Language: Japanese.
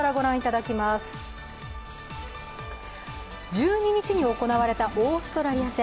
１２日に行われたオーストラリア戦。